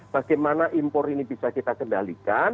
bagaimana impor ini bisa kita kendalikan